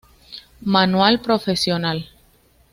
Manual profesional.